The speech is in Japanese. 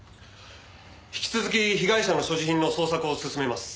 引き続き被害者の所持品の捜索を進めます。